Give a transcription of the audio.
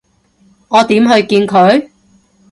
我點去見佢？